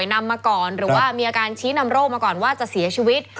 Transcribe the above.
นำมาก่อนหรือว่ามีอาการชี้นำโรคมาก่อนว่าจะเสียชีวิต